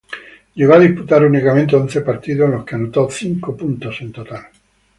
Llegó a disputar únicamente once partidos en los que anotó cinco puntos en total.